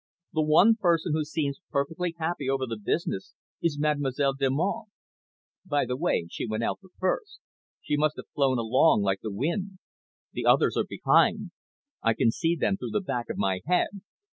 The one person who seems perfectly happy over the business is Mademoiselle Delmonte. By the way, she went out the first. She must have flown along like the wind. The others are behind. I can see them through the back of my head.